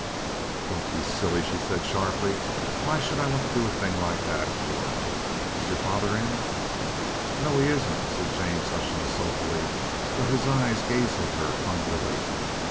"Don't be silly!" she said sharply. "What should I want to do a thing like that for? Is your father in?" "No; he isn't," said James Hutchings sulkily, but his eyes gazed at her hungrily.